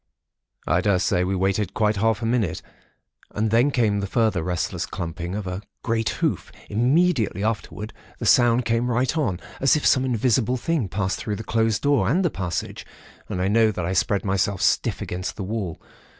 "I daresay we waited quite half a minute, and then came the further restless clumping of a great hoof. Immediately afterwards, the sounds came right on, as if some invisible thing passed through the closed door, and the passage, and I know that I spread myself stiff against the wall.